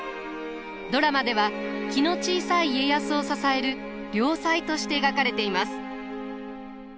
ドラマでは気の小さい家康を支える良妻として描かれています。